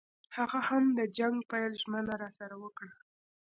هغه هم د جنګ پیل ژمنه راسره وکړه.